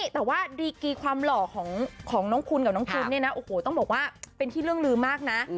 แต่ว่าดีกีความหล่อของน้องคุณกับน้องจุนเนี่ยนะโอ้โหต้องบอกว่าเป็นที่เรื่องลืมมากนะ